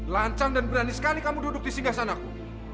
lancang dan berani sekali kamu duduk di singgah sanaku